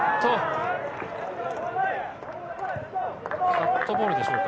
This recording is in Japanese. カットボールでしょうか？